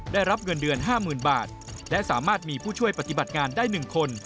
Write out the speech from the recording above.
ได้รับเงินเดือน๕๐๐๐บาทและสามารถมีผู้ช่วยปฏิบัติงานได้๑คน